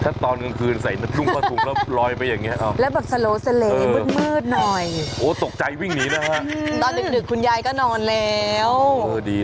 ถ้าตอนกลางคืนใส่นุกแล้วรอยไปอย่างเงี้ย